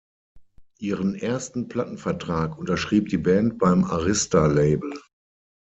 Ihren ersten Plattenvertrag unterschrieb die Band beim Arista Label.